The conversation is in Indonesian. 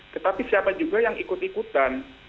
tetapi siapa juga yang ikut ikutan